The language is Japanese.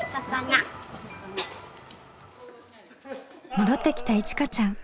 戻ってきたいちかちゃん。